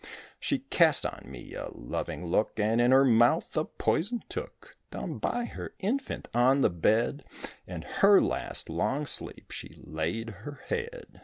She cast on me a loving look And in her mouth the poison took; Down by her infant on the bed In her last, long sleep she laid her head.